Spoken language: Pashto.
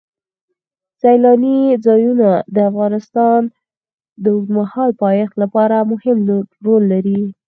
سیلانی ځایونه د افغانستان د اوږدمهاله پایښت لپاره مهم رول لري.